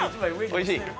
おいしい！